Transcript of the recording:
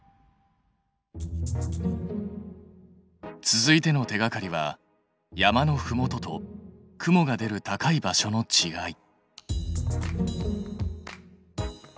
続いての手がかりは山のふもとと雲が出る高い場所のちがい。